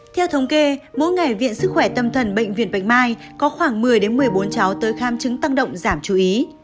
theo thống kê mỗi ngày viện sức khỏe tâm thần bệnh viện bạch mai có khoảng một mươi một mươi bốn cháu tới khám chứng tăng động giảm chú ý